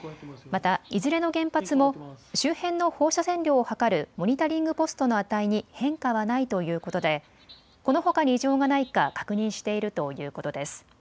またいずれの原発も周辺の放射線量を測るモニタリングポストの値に変化はないということで、このほかに異常がないか確認しているということです。